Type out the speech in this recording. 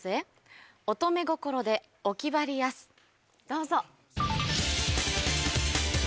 どうぞ。